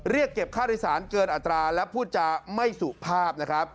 เรียกเก็บค่าโดยสารเกินอัตราและพูดจาไม่สุภาพนะครับ